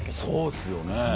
そうっすよね。